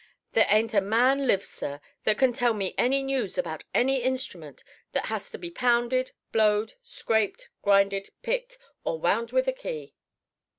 There ain't a man lives, sir, that can tell me any news about any instrument that has to be pounded, blowed, scraped, grinded, picked, or wound with a key.